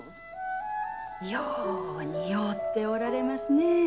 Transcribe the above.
よう似合うておられますね。